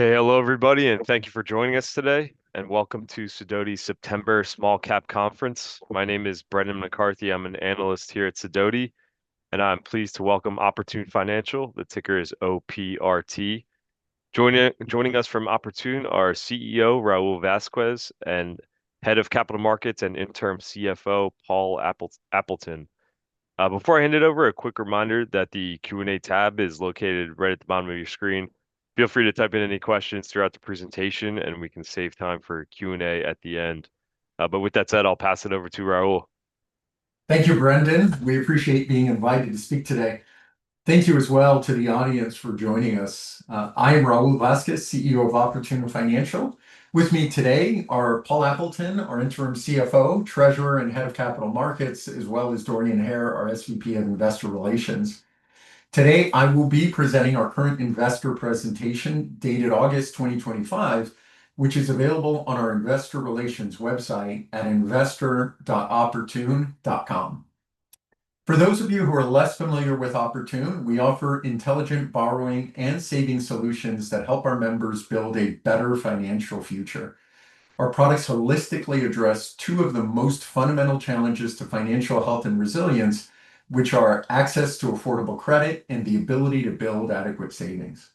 Okay, hello everybody, and thank you for joining us today, and welcome to Sidoti's September Small Cap Conference. My name is Brendan McCarthy. I'm an analyst here at Sidoti, and I'm pleased to welcome Oportun Financial. The ticker is OPRT. Joining us from Oportun are CEO Raul Vazquez and Head of Capital Markets and Interim CFO Paul Appleton. Before I hand it over, a quick reminder that the Q&A tab is located right at the bottom of your screen. Feel free to type in any questions throughout the presentation, and we can save time for Q&A at the end. But with that said, I'll pass it over to Raul. Thank you, Brendan. We appreciate being invited to speak today. Thank you as well to the audience for joining us. I am Raul Vazquez, CEO of Oportun Financial. With me today are Paul Appleton, our Interim CFO, Treasurer, and Head of Capital Markets, as well as Dorian Hare, our SVP of Investor Relations. Today, I will be presenting our current investor presentation dated August 2025, which is available on our investor relations website at investor.oportun.com. For those of you who are less familiar with Oportun, we offer intelligent borrowing and saving solutions that help our members build a better financial future. Our products holistically address two of the most fundamental challenges to financial health and resilience, which are access to affordable credit and the ability to build adequate savings.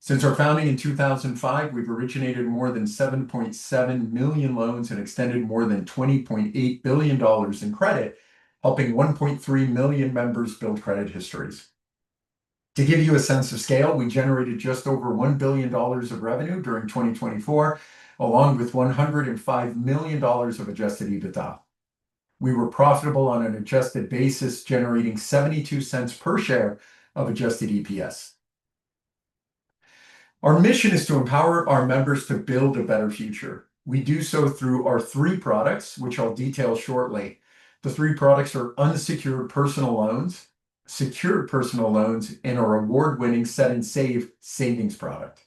Since our founding in 2005, we've originated more than 7.7 million loans and extended more than $20.8 billion in credit, helping 1.3 million members build credit histories. To give you a sense of scale, we generated just over $1 billion of revenue during 2024, along with $105 million of adjusted EBITDA. We were profitable on an adjusted basis, generating $0.72 per share of adjusted EPS. Our mission is to empower our members to build a better future. We do so through our three products, which I'll detail shortly. The three products are Unsecured Personal Loans, Secured Personal Loans, and our award-winning Set & Save savings product.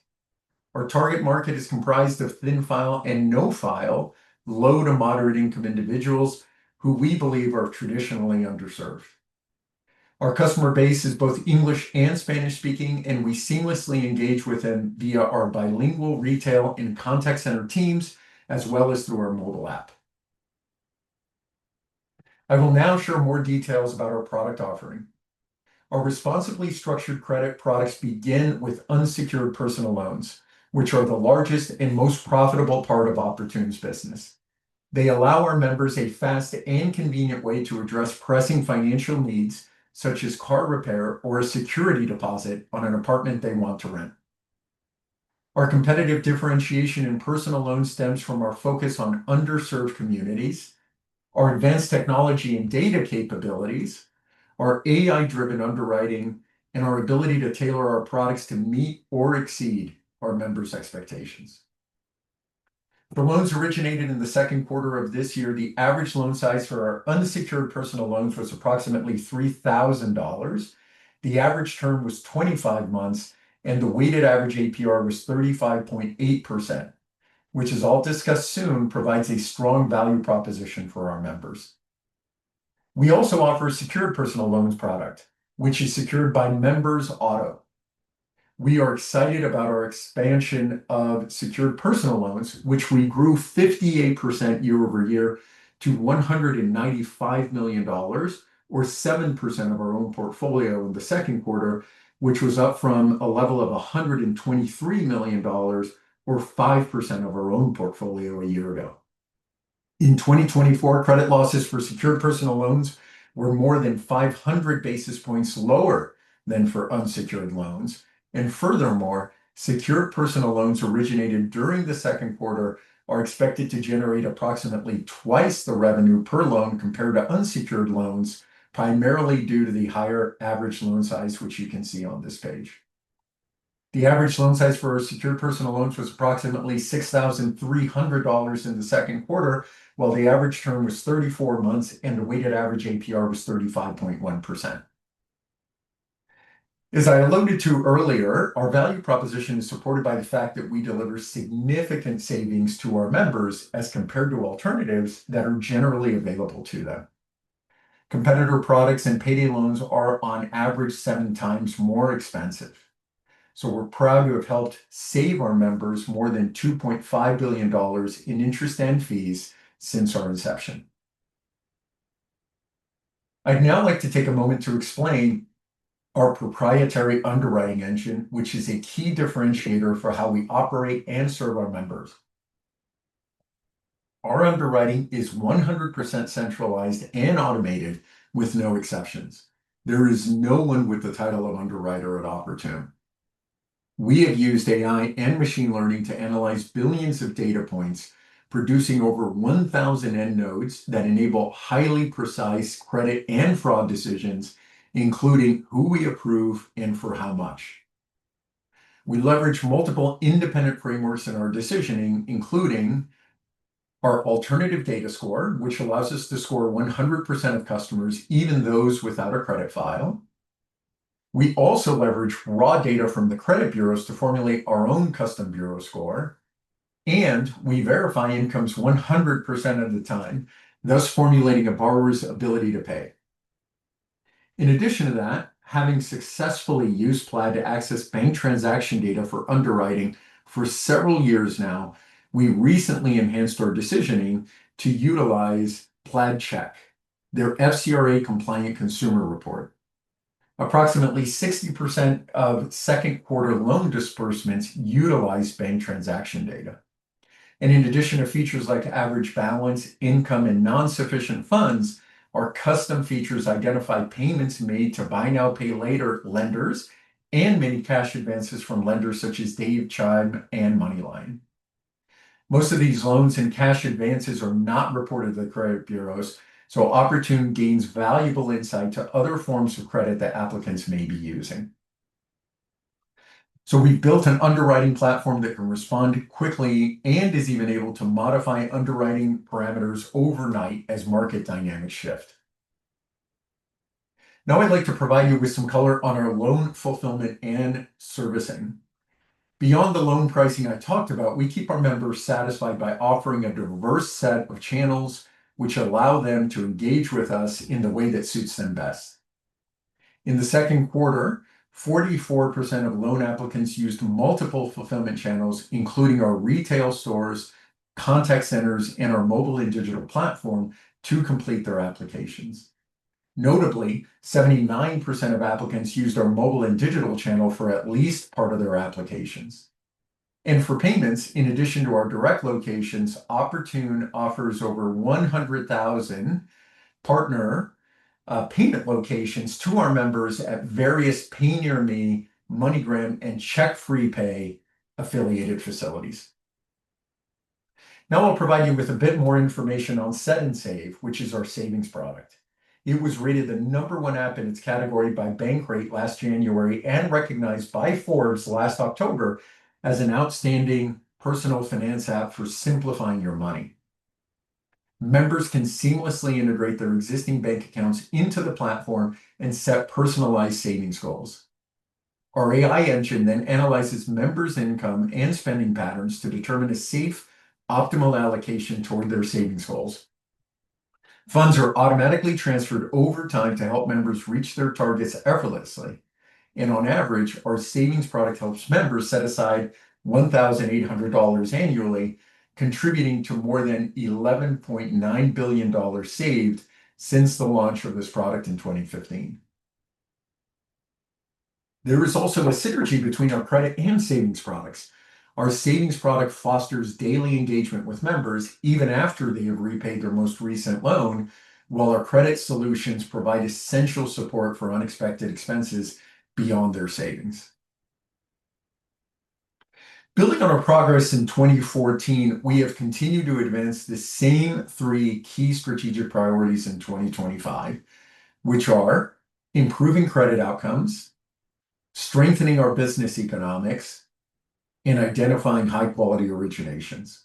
Our target market is comprised of thin file and no file low to moderate income individuals who we believe are traditionally underserved. Our customer base is both English and Spanish speaking, and we seamlessly engage with them via our bilingual retail and contact center teams, as well as through our mobile app. I will now share more details about our product offering. Our responsibly structured credit products begin with Unsecured Personal Loans, which are the largest and most profitable part of Oportun's business. They allow our members a fast and convenient way to address pressing financial needs, such as car repair or a security deposit on an apartment they want to rent. Our competitive differentiation in personal loans stems from our focus on underserved communities, our advanced technology and data capabilities, our AI-driven underwriting, and our ability to tailor our products to meet or exceed our members' expectations. The loans originated in the second quarter of this year. The average loan size for our Unsecured Personal Loans was approximately $3,000. The average term was 25 months, and the weighted average APR was 35.8%, which, as I'll discuss soon, provides a strong value proposition for our members. We also offer a Secured Personal Loans product, which is secured by member's auto. We are excited about our expansion of Secured Personal Loans, which we grew 58% year over year to $195 million, or 7% of our own portfolio in the second quarter, which was up from a level of $123 million, or 5% of our own portfolio a year ago. In 2024, credit losses for Secured Personal Loans were more than 500 basis points lower than for unsecured loans. And furthermore, Secured Personal Loans originated during the second quarter are expected to generate approximately twice the revenue per loan compared to unsecured loans, primarily due to the higher average loan size, which you can see on this page. The average loan size for our Secured Personal Loans was approximately $6,300 in the second quarter, while the average term was 34 months, and the weighted average APR was 35.1%. As I alluded to earlier, our value proposition is supported by the fact that we deliver significant savings to our members as compared to alternatives that are generally available to them. Competitor products and payday loans are on average seven times more expensive. So we're proud to have helped save our members more than $2.5 billion in interest and fees since our inception. I'd now like to take a moment to explain our proprietary underwriting engine, which is a key differentiator for how we operate and serve our members. Our underwriting is 100% centralized and automated with no exceptions. There is no one with the title of underwriter at Oportun. We have used AI and machine learning to analyze billions of data points, producing over 1,000 end nodes that enable highly precise credit and fraud decisions, including who we approve and for how much. We leverage multiple independent frameworks in our decisioning, including our alternative data score, which allows us to score 100% of customers, even those without a credit file. We also leverage raw data from the credit bureaus to formulate our own custom bureau score, and we verify incomes 100% of the time, thus formulating a borrower's ability to pay. In addition to that, having successfully used Plaid to access bank transaction data for underwriting for several years now, we recently enhanced our decisioning to utilize Plaid Check, their FCRA-compliant consumer report. Approximately 60% of second quarter loan disbursements utilize bank transaction data. And in addition, features like average balance, income, and non-sufficient funds are custom features identify payments made to buy now, pay later lenders and made cash advances from lenders such as Dave, Chime, and MoneyLion. Most of these loans and cash advances are not reported to the credit bureaus, so Oportun gained valuable insight into other forms of credit that applicants may be using. So we've built an underwriting platform that can respond quickly and is even able to modify underwriting parameters overnight as market dynamics shift. Now I'd like to provide you with some color on our loan fulfillment and servicing. Beyond the loan pricing I talked about, we keep our members satisfied by offering a diverse set of channels, which allow them to engage with us in the way that suits them best. In the second quarter, 44% of loan applicants used multiple fulfillment channels, including our retail stores, contact centers, and our mobile and digital platform, to complete their applications. Notably, 79% of applicants used our mobile and digital channel for at least part of their applications. And for payments, in addition to our direct locations, Oportun offers over 100,000 partner payment locations to our members at various PayNearMe, MoneyGram, and CheckFreePay affiliated facilities. Now I'll provide you with a bit more information on Set & Save, which is our savings product. It was rated the number one app in its category by Bankrate last January and recognized by Forbes last October as an outstanding personal finance app for simplifying your money. Members can seamlessly integrate their existing bank accounts into the platform and set personalized savings goals. Our AI engine then analyzes members' income and spending patterns to determine a safe, optimal allocation toward their savings goals. Funds are automatically transferred over time to help members reach their targets effortlessly, and on average, our savings product helps members set aside $1,800 annually, contributing to more than $11.9 billion saved since the launch of this product in 2015. There is also a synergy between our credit and savings products. Our savings product fosters daily engagement with members, even after they have repaid their most recent loan, while our credit solutions provide essential support for unexpected expenses beyond their savings. Building on our progress in 2014, we have continued to advance the same three key strategic priorities in 2025, which are improving credit outcomes, strengthening our business economics, and identifying high-quality originations.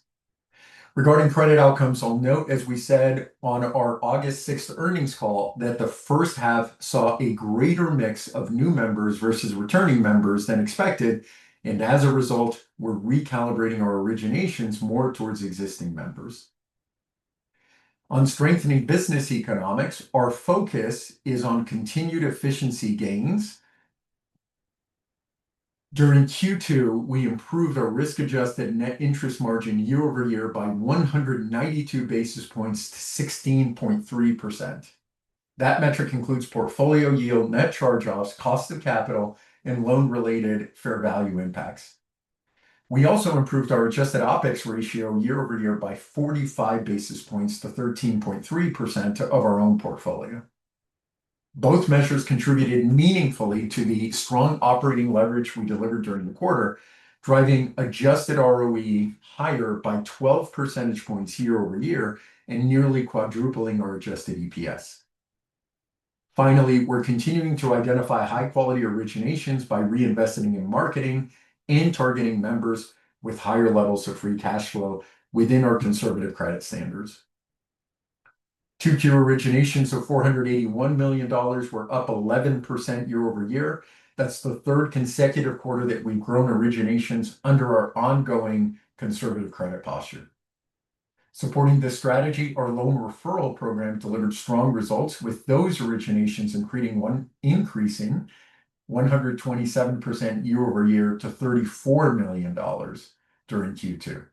Regarding credit outcomes, I'll note, as we said on our August 6th earnings call, that the first half saw a greater mix of new members versus returning members than expected, and as a result, we're recalibrating our originations more towards existing members. On strengthening business economics, our focus is on continued efficiency gains. During Q2, we improved our risk-adjusted net interest margin year over year by 192 basis points to 16.3%. That metric includes portfolio yield, net charge-offs, cost of capital, and loan-related fair value impacts. We also improved our adjusted OpEx ratio year over year by 45 basis points to 13.3% of our own portfolio. Both measures contributed meaningfully to the strong operating leverage we delivered during the quarter, driving Adjusted ROE higher by 12 percentage points year over year and nearly quadrupling our Adjusted EPS. Finally, we're continuing to identify high-quality originations by reinvesting in marketing and targeting members with higher levels of free cash flow within our conservative credit standards. Total originations of $481 million were up 11% year over year. That's the third consecutive quarter that we've grown originations under our ongoing conservative credit posture. Supporting this strategy, our loan referral program delivered strong results with those originations creating a 127% increase year over year to $34 million during Q2.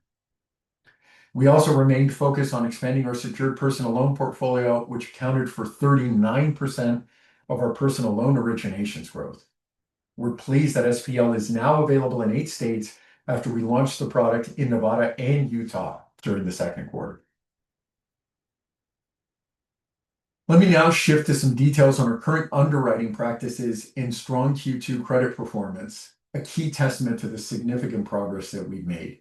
We also remained focused on expanding our secured personal loan portfolio, which accounted for 39% of our personal loan originations growth. We're pleased that SPL is now available in eight states after we launched the product in Nevada and Utah during the second quarter. Let me now shift to some details on our current underwriting practices and strong Q2 credit performance, a key testament to the significant progress that we've made.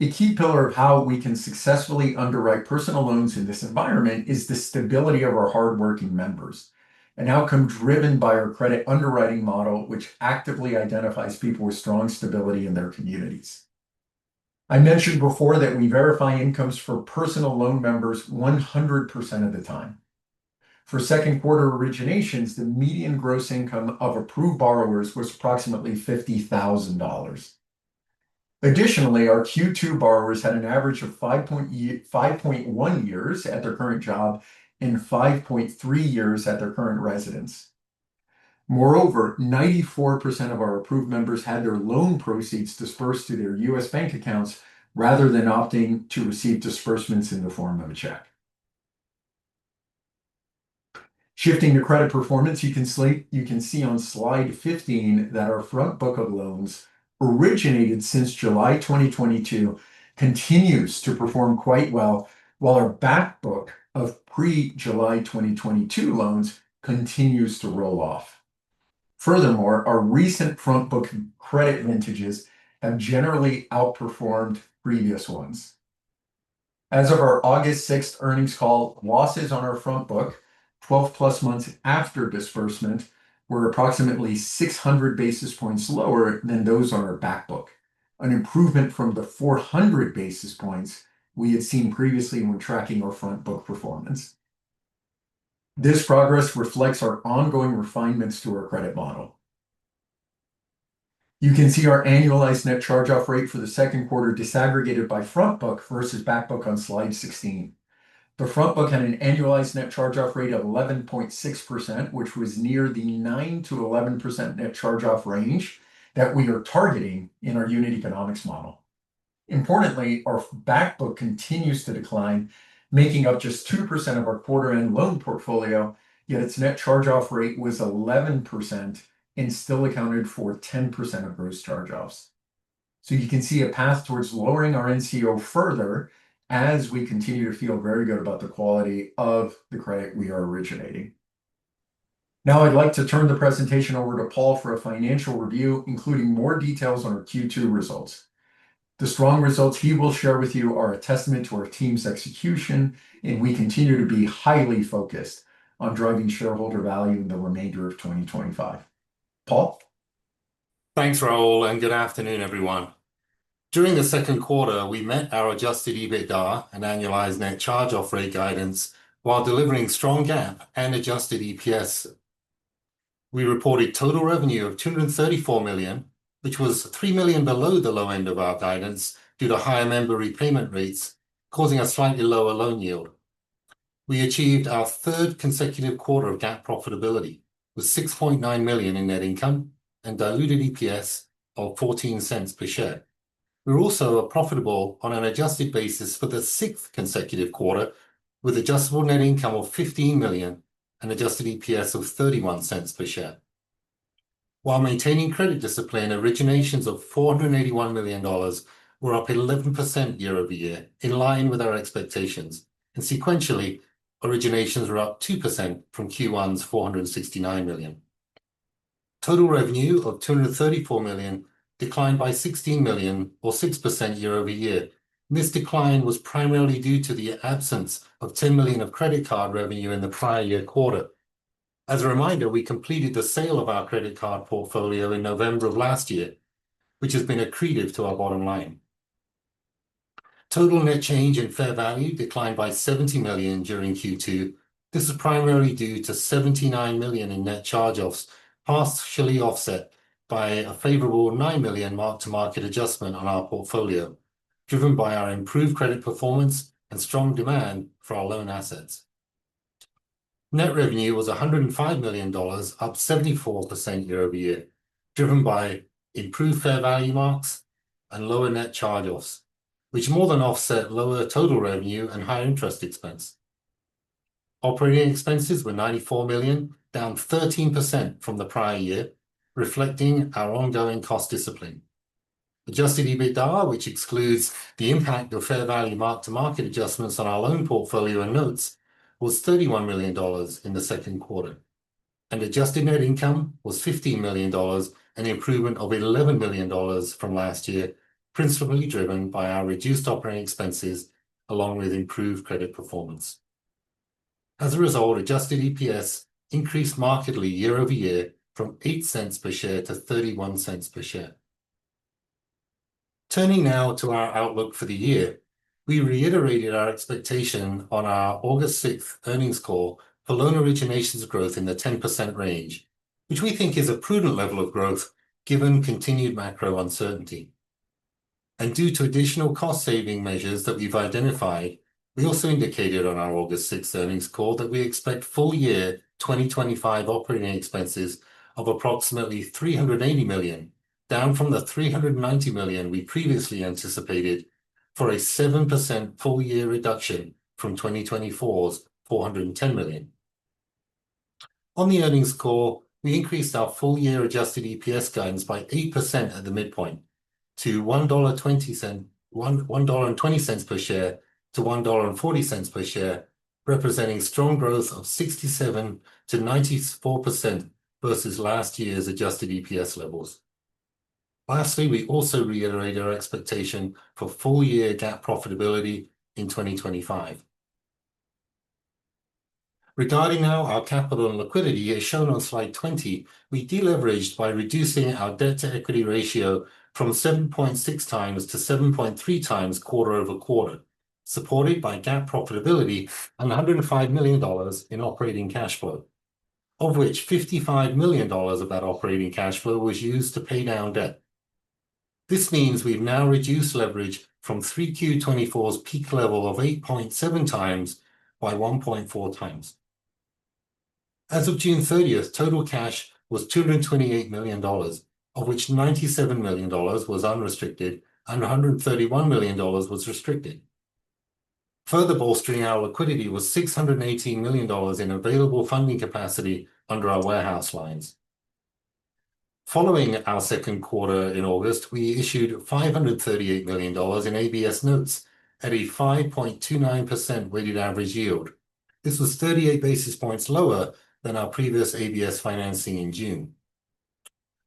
A key pillar of how we can successfully underwrite personal loans in this environment is the stability of our hardworking members and outcome driven by our credit underwriting model, which actively identifies people with strong stability in their communities. I mentioned before that we verify incomes for personal loan members 100% of the time. For second quarter originations, the median gross income of approved borrowers was approximately $50,000. Additionally, our Q2 borrowers had an average of 5.1 years at their current job and 5.3 years at their current residence. Moreover, 94% of our approved members had their loan proceeds disbursed to their U.S. bank accounts rather than opting to receive disbursements in the form of a check. Shifting to credit performance, you can see on slide 15 that our front book of loans originated since July 2022 continues to perform quite well, while our back book of pre-July 2022 loans continues to roll off. Furthermore, our recent front book credit vintages have generally outperformed previous ones. As of our August 6th earnings call, losses on our front book 12 plus months after disbursement were approximately 600 basis points lower than those on our back book, an improvement from the 400 basis points we had seen previously when tracking our front book performance. This progress reflects our ongoing refinements to our credit model. You can see our annualized net charge-off rate for the second quarter disaggregated by front book versus back book on slide 16. The front book had an annualized net charge-off rate of 11.6%, which was near the 9%-11% net charge-off range that we are targeting in our unit economics model. Importantly, our back book continues to decline, making up just 2% of our quarter-end loan portfolio, yet its net charge-off rate was 11% and still accounted for 10% of gross charge-offs. So you can see a path towards lowering our NCO further as we continue to feel very good about the quality of the credit we are originating. Now I'd like to turn the presentation over to Paul for a financial review, including more details on our Q2 results. The strong results he will share with you are a testament to our team's execution, and we continue to be highly focused on driving shareholder value in the remainder of 2025. Paul? Thanks, Raul, and good afternoon, everyone. During the second quarter, we met our adjusted EBITDA and annualized net charge-off rate guidance while delivering strong GAAP and adjusted EPS. We reported total revenue of $234 million, which was $3 million below the low end of our guidance due to higher member repayment rates, causing a slightly lower loan yield. We achieved our third consecutive quarter of GAAP profitability with $6.9 million in net income and diluted EPS of $0.14 per share. We're also profitable on an adjusted basis for the sixth consecutive quarter with adjusted net income of $15 million and adjusted EPS of $0.31 per share. While maintaining credit discipline, originations of $481 million were up 11% year over year, in line with our expectations, and sequentially, originations were up 2% from Q1's $469 million. Total revenue of $234 million declined by $16 million, or 6% year over year. This decline was primarily due to the absence of $10 million of credit card revenue in the prior year quarter. As a reminder, we completed the sale of our credit card portfolio in November of last year, which has been accretive to our bottom line. Total net change in fair value declined by $70 million during Q2. This is primarily due to $79 million in net charge-offs partially offset by a favorable $9 million mark to market adjustment on our portfolio, driven by our improved credit performance and strong demand for our loan assets. Net revenue was $105 million, up 74% year over year, driven by improved fair value marks and lower net charge-offs, which more than offset lower total revenue and higher interest expense. Operating expenses were $94 million, down 13% from the prior year, reflecting our ongoing cost discipline. Adjusted EBITDA, which excludes the impact of fair value mark to market adjustments on our loan portfolio and notes, was $31 million in the second quarter, and adjusted net income was $15 million, an improvement of $11 million from last year, principally driven by our reduced operating expenses along with improved credit performance. As a result, adjusted EPS increased markedly year over year from $0.08 per share to $0.31 per share. Turning now to our outlook for the year, we reiterated our expectation on our August 6th earnings call for loan originations growth in the 10% range, which we think is a prudent level of growth given continued macro uncertainty. Due to additional cost-saving measures that we've identified, we also indicated on our August 6th earnings call that we expect full year 2025 operating expenses of approximately $380 million, down from the $390 million we previously anticipated for a 7% full year reduction from 2024's $410 million. On the earnings call, we increased our full year adjusted EPS guidance by 8% at the midpoint to $1.20 per share to $1.40 per share, representing strong growth of 67%-94% versus last year's adjusted EPS levels. Lastly, we also reiterated our expectation for full year GAAP profitability in 2025. Regarding now our capital and liquidity, as shown on slide 20, we deleveraged by reducing our debt to equity ratio from 7.6 times to 7.3 times quarter over quarter, supported by GAAP profitability and $105 million in operating cash flow, of which $55 million of that operating cash flow was used to pay down debt. This means we've now reduced leverage from 3Q24's peak level of 8.7 times by 1.4 times. As of June 30th, total cash was $228 million, of which $97 million was unrestricted and $131 million was restricted. Further bolstering our liquidity was $618 million in available funding capacity under our warehouse lines. Following our second quarter in August, we issued $538 million in ABS notes at a 5.29% weighted average yield. This was 38 basis points lower than our previous ABS financing in June.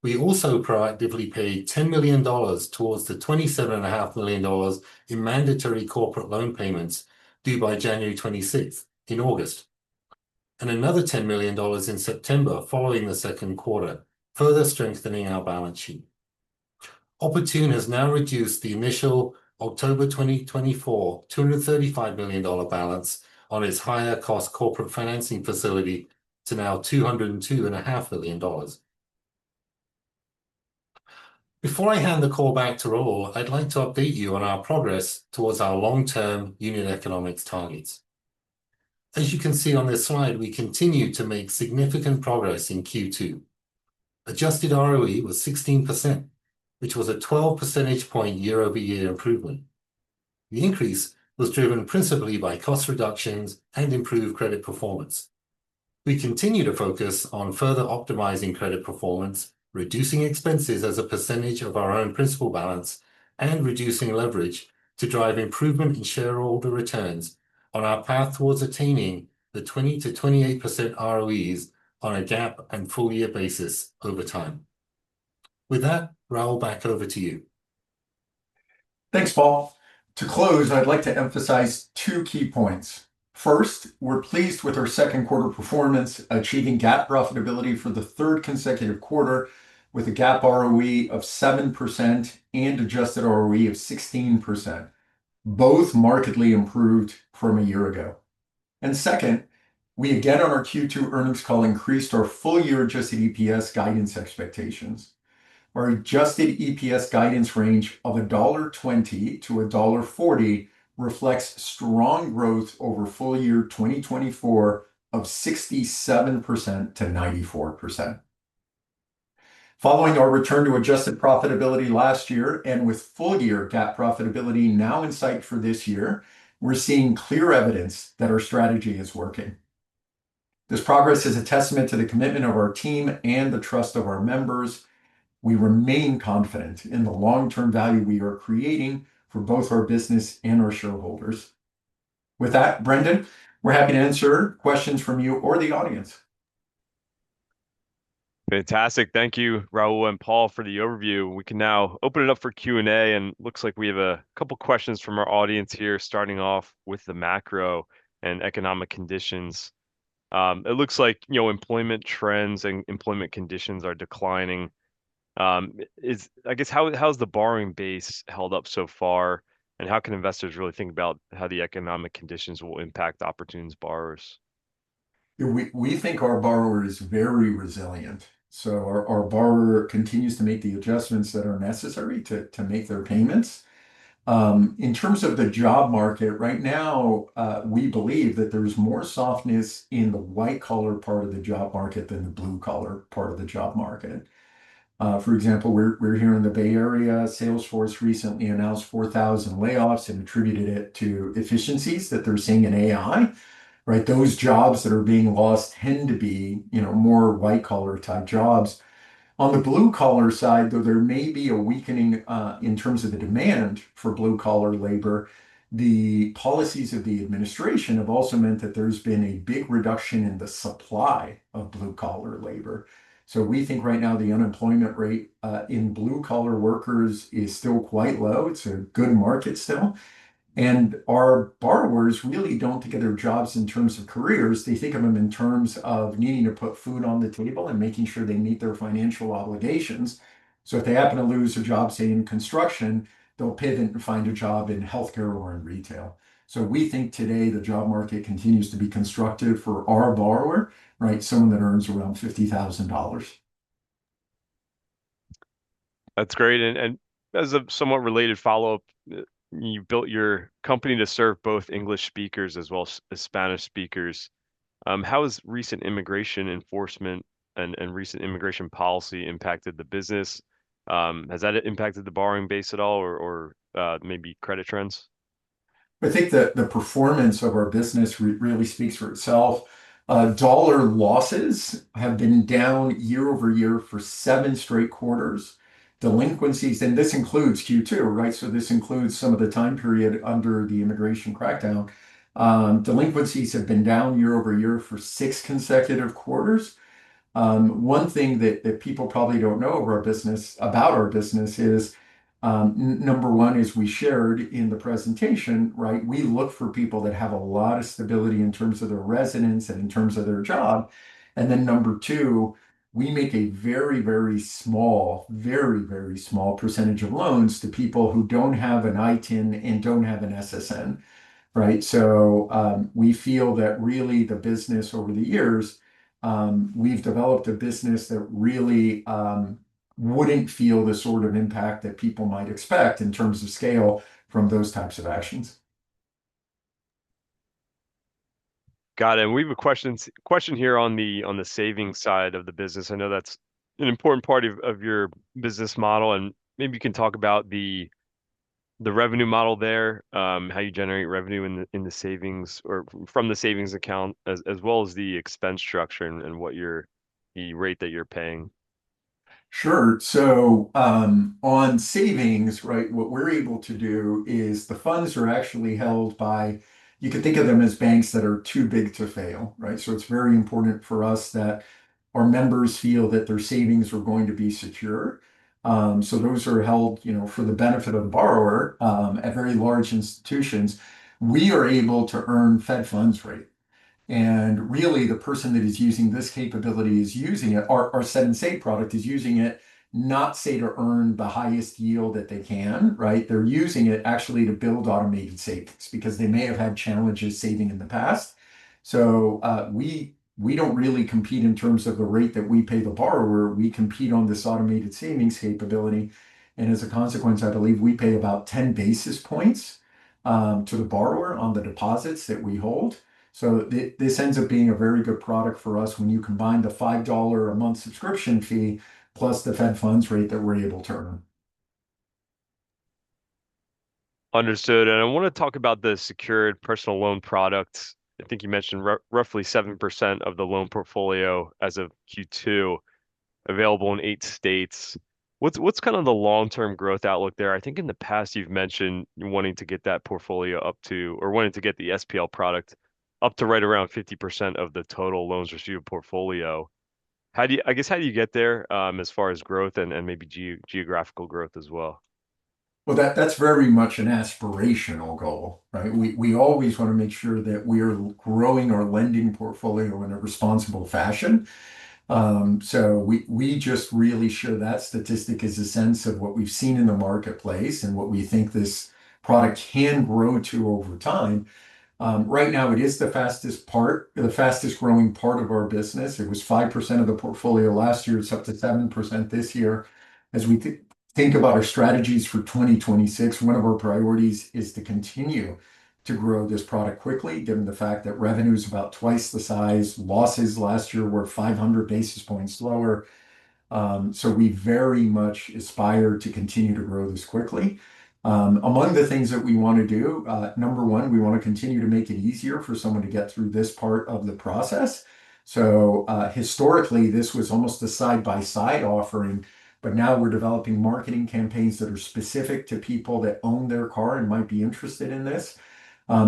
We also proactively paid $10 million towards the $27.5 million in mandatory corporate loan payments due by January 26th in August, and another $10 million in September following the second quarter, further strengthening our balance sheet. Oportun has now reduced the initial October 2024 $235 million balance on its higher-cost corporate financing facility to now $202.5 million. Before I hand the call back to Raul, I'd like to update you on our progress towards our long-term unit economics targets. As you can see on this slide, we continue to make significant progress in Q2. Adjusted ROE was 16%, which was a 12 percentage point year-over-year improvement. The increase was driven principally by cost reductions and improved credit performance. We continue to focus on further optimizing credit performance, reducing expenses as a percentage of our own principal balance, and reducing leverage to drive improvement in shareholder returns on our path towards attaining the 20-28% ROEs on a GAAP and full-year basis over time. With that, Raul, back over to you. Thanks, Paul. To close, I'd like to emphasize two key points. First, we're pleased with our second quarter performance, achieving GAAP profitability for the third consecutive quarter with a GAAP ROE of 7% and adjusted ROE of 16%, both markedly improved from a year ago, and second, we again, on our Q2 earnings call, increased our full-year adjusted EPS guidance expectations. Our adjusted EPS guidance range of $1.20-$1.40 reflects strong growth over full year 2024 of 67%-94%. Following our return to adjusted profitability last year and with full-year GAAP profitability now in sight for this year, we're seeing clear evidence that our strategy is working. This progress is a testament to the commitment of our team and the trust of our members. We remain confident in the long-term value we are creating for both our business and our shareholders. With that, Brendan, we're happy to answer questions from you or the audience. Fantastic. Thank you, Raul and Paul, for the overview. We can now open it up for Q&A, and it looks like we have a couple of questions from our audience here, starting off with the macro and economic conditions. It looks like, you know, employment trends and employment conditions are declining. I guess, how has the borrowing base held up so far, and how can investors really think about how the economic conditions will impact Oportun's borrowers? We think our borrower is very resilient. So our borrower continues to make the adjustments that are necessary to make their payments. In terms of the job market right now, we believe that there's more softness in the white-collar part of the job market than the blue-collar part of the job market. For example, we're here in the Bay Area. Salesforce recently announced 4,000 layoffs and attributed it to efficiencies that they're seeing in AI, right? Those jobs that are being lost tend to be, you know, more white-collar type jobs. On the blue-collar side, though, there may be a weakening in terms of the demand for blue-collar labor. The policies of the administration have also meant that there's been a big reduction in the supply of blue-collar labor, so we think right now the unemployment rate in blue-collar workers is still quite low. It's a good market still, and our borrowers really don't think of their jobs in terms of careers. They think of them in terms of needing to put food on the table and making sure they meet their financial obligations, so if they happen to lose a job, say, in construction, they'll pivot and find a job in healthcare or in retail, so we think today the job market continues to be constructive for our borrower, right? Someone that earns around $50,000. That's great, and as a somewhat related follow-up, you built your company to serve both English speakers as well as Spanish speakers. How has recent immigration enforcement and recent immigration policy impacted the business? Has that impacted the borrowing base at all or maybe credit trends? I think the performance of our business really speaks for itself. Dollar losses have been down year over year for seven straight quarters. Delinquencies, and this includes Q2, right? So this includes some of the time period under the immigration crackdown. Delinquencies have been down year over year for six consecutive quarters. One thing that people probably don't know about our business is, number one is we shared in the presentation, right? We look for people that have a lot of stability in terms of their residence and in terms of their job. And then number two, we make a very, very small percentage of loans to people who don't have an ITIN and don't have an SSN, right? We feel that really the business over the years, we've developed a business that really wouldn't feel the sort of impact that people might expect in terms of scale from those types of actions. Got it. We have a question here on the savings side of the business. I know that's an important part of your business model, and maybe you can talk about the revenue model there, how you generate revenue in the savings or from the savings account, as well as the expense structure and the rate that you're paying. Sure. So on savings, right, what we're able to do is the funds are actually held by, you can think of them as banks that are too big to fail, right? So it's very important for us that our members feel that their savings are going to be secure. Those are held, you know, for the benefit of the borrower at very large institutions. We are able to earn Fed funds rate. And really, the person that is using this capability is using it, our Set & Save product is using it, not say to earn the highest yield that they can, right? They're using it actually to build automated savings because they may have had challenges saving in the past. So we don't really compete in terms of the rate that we pay the borrower. We compete on this automated savings capability. And as a consequence, I believe we pay about 10 basis points to the borrower on the deposits that we hold. So this ends up being a very good product for us when you combine the $5 a month subscription fee plus the Fed funds rate that we're able to earn. Understood. I want to talk about the secured personal loan product. I think you mentioned roughly 7% of the loan portfolio as of Q2 available in eight states. What's kind of the long-term growth outlook there? I think in the past you've mentioned wanting to get that portfolio up to, or wanting to get the SPL product up to right around 50% of the total loan receivables portfolio. How do you, I guess, how do you get there as far as growth and maybe geographical growth as well? That's very much an aspirational goal, right? We always want to make sure that we are growing our lending portfolio in a responsible fashion. We just really show that statistic as a sense of what we've seen in the marketplace and what we think this product can grow to over time. Right now, it is the fastest part, the fastest growing part of our business. It was 5% of the portfolio last year. It's up to 7% this year. As we think about our strategies for 2026, one of our priorities is to continue to grow this product quickly given the fact that revenue is about twice the size. Losses last year were 500 basis points lower. So we very much aspire to continue to grow this quickly. Among the things that we want to do, number one, we want to continue to make it easier for someone to get through this part of the process. So historically, this was almost a side-by-side offering, but now we're developing marketing campaigns that are specific to people that own their car and might be interested in this.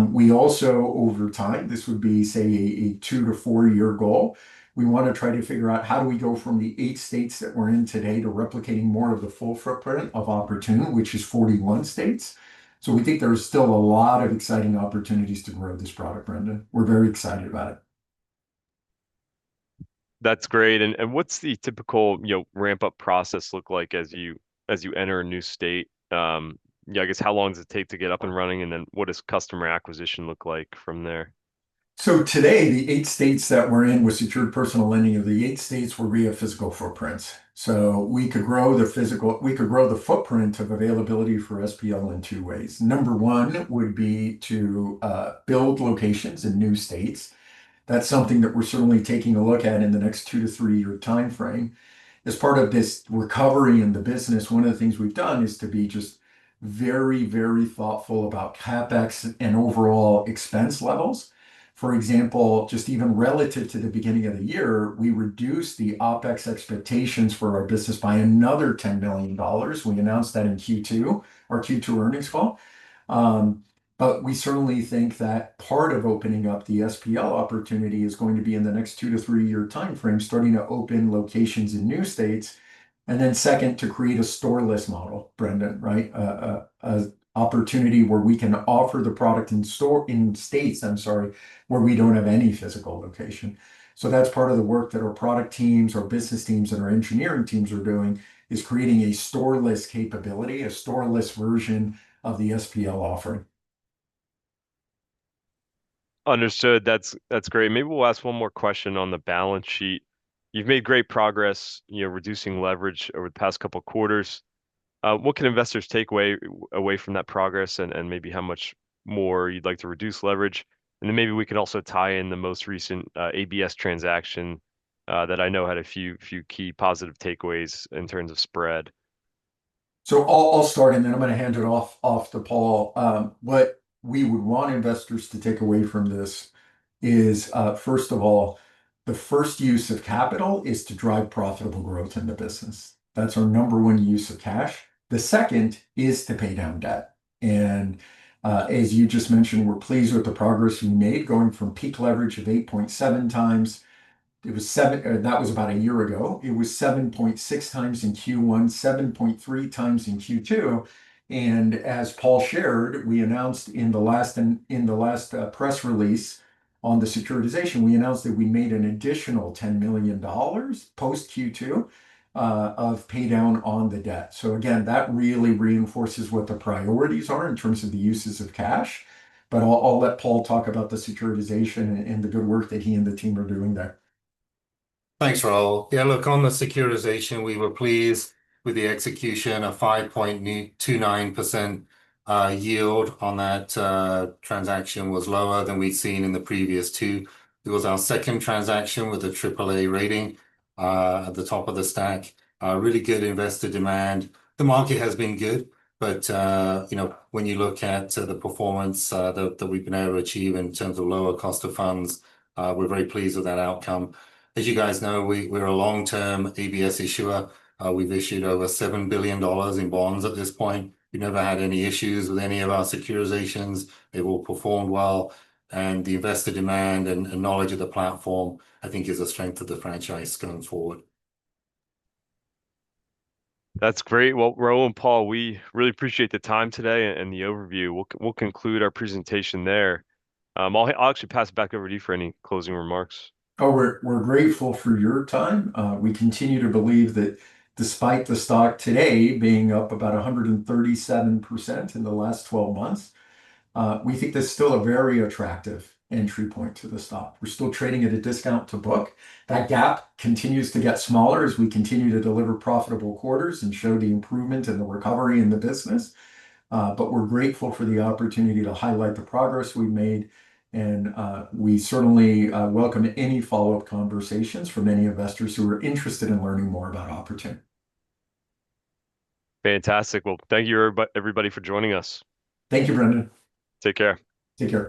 We also, over time, this would be, say, a two to four-year goal. We want to try to figure out how do we go from the eight states that we're in today to replicating more of the full footprint of Oportun, which is 41 states. So we think there's still a lot of exciting opportunities to grow this product, Brendan. We're very excited about it. That's great. And what's the typical, you know, ramp-up process look like as you enter a new state? Yeah, I guess how long does it take to get up and running? And then what does customer acquisition look like from there? So today, the eight states that we're in with secured personal lending of the eight states were via physical footprints. So we could grow the physical, we could grow the footprint of availability for SPL in two ways. Number one would be to build locations in new states. That's something that we're certainly taking a look at in the next two- to three-year timeframe. As part of this recovery in the business, one of the things we've done is to be just very, very thoughtful about CapEx and overall expense levels. For example, just even relative to the beginning of the year, we reduced the OpEx expectations for our business by another $10 million. We announced that in Q2, our Q2 earnings call. But we certainly think that part of opening up the SPL opportunity is going to be in the next two- to three-year timeframe, starting to open locations in new states. And then second, to create a storeless model, Brendan, right? An opportunity where we can offer the product in store, in states, I'm sorry, where we don't have any physical location. So that's part of the work that our product teams, our business teams, and our engineering teams are doing is creating a storeless capability, a storeless version of the SPL offering. Understood. That's great. Maybe we'll ask one more question on the balance sheet. You've made great progress, you know, reducing leverage over the past couple of quarters. What can investors take away from that progress and maybe how much more you'd like to reduce leverage? And then maybe we can also tie in the most recent ABS transaction that I know had a few key positive takeaways in terms of spread. So I'll start, and then I'm going to hand it off to Paul. What we would want investors to take away from this is, first of all, the first use of capital is to drive profitable growth in the business. That's our number one use of cash. The second is to pay down debt. And as you just mentioned, we're pleased with the progress we made going from peak leverage of 8.7 times. It was seven, that was about a year ago. It was 7.6 times in Q1, 7.3 times in Q2. And as Paul shared, we announced in the last press release on the securitization that we made an additional $10 million post Q2 pay down on the debt. So again, that really reinforces what the priorities are in terms of the uses of cash. But I'll let Paul talk about the securitization and the good work that he and the team are doing there. Thanks, Raul. Yeah, look, on the securitization, we were pleased with the execution of 5.29% yield on that transaction, which was lower than we've seen in the previous two. It was our second transaction with a AAA rating at the top of the stack. Really good investor demand. The market has been good, but you know, when you look at the performance that we've been able to achieve in terms of lower cost of funds, we're very pleased with that outcome. As you guys know, we're a long-term ABS issuer. We've issued over $7 billion in bonds at this point. We've never had any issues with any of our securitizations. They've all performed well, and the investor demand and knowledge of the platform, I think, is a strength of the franchise going forward. That's great. Well, Raul and Paul, we really appreciate the time today and the overview. We'll conclude our presentation there. I'll actually pass it back over to you for any closing remarks. Oh, we're grateful for your time. We continue to believe that despite the stock today being up about 137% in the last 12 months, we think that's still a very attractive entry point to the stock. We're still trading at a discount to book. That gap continues to get smaller as we continue to deliver profitable quarters and show the improvement and the recovery in the business. But we're grateful for the opportunity to highlight the progress we've made. And we certainly welcome any follow-up conversations from any investors who are interested in learning more about Oportun. Fantastic. Well, thank you, everybody, for joining us. Thank you, Brendan. Take care. Take care.